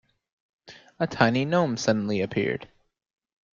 A tiny gnome suddenly appeared.